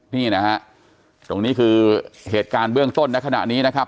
นี่นะฮะตรงนี้คือเหตุการณ์เบื้องต้นในขณะนี้นะครับ